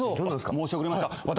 申し遅れました。